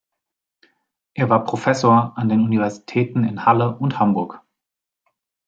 Er war Professor an den Universitäten in Halle und Hamburg.